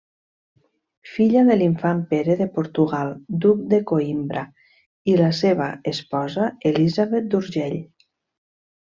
Filla de l'infant Pere de Portugal, duc de Coïmbra, i la seva esposa Elisabet d'Urgell.